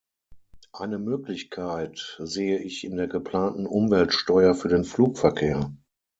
Eine Möglichkeit sehe ich in der geplanten Umweltsteuer für den Flugverkehr.